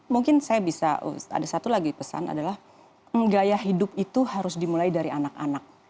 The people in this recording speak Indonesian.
mungkin saya bisa ada satu lagi pesan adalah gaya hidup itu harus dimulai dari anak anak